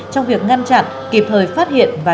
trong việc ngăn chặn kịp thời phát hiện